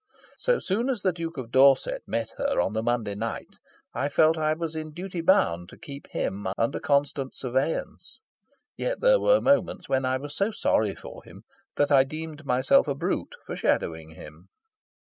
So soon as the Duke of Dorset met her on the Monday night, I felt I was in duty bound to keep him under constant surveillance. Yet there were moments when I was so sorry for him that I deemed myself a brute for shadowing him.